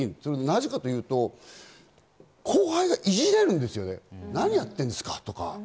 なぜかと言うと後輩がいじれるんですよね、何やってるんですか？とか。